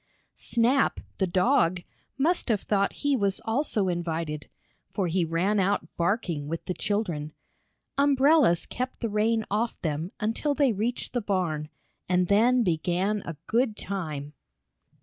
Snap, the dog, must have thought he was also invited, for he ran out barking, with the children. Umbrellas kept the rain off them until they reached the barn, and then began a good time.